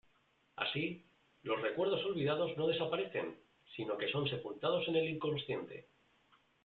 Así, los recuerdos olvidados no desaparecen, sino que son sepultados en el inconsciente.